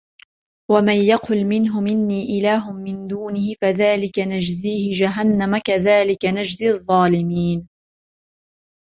وَمَنْ يَقُلْ مِنْهُمْ إِنِّي إِلَهٌ مِنْ دُونِهِ فَذَلِكَ نَجْزِيهِ جَهَنَّمَ كَذَلِكَ نَجْزِي الظَّالِمِينَ